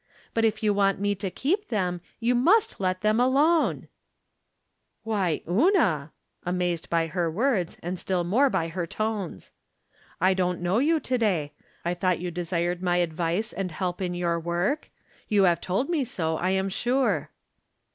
But if you want me to keep them you must let them alone." " Why, Una !" amazed by her words, and 172 From Different Standpoints. still more by her tones. " I don't know you to day ; I thought you desired my advice and help in youx work? You have told me so, I am sure."